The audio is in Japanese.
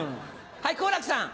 はい好楽さん。